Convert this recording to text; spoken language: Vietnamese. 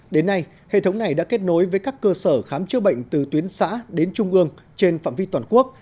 đến nay hệ thống này đã kết nối với các cơ sở khám chữa bệnh từ tuyến xã đến trung ương trên phạm vi toàn quốc